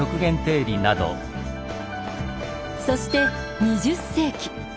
そして２０世紀。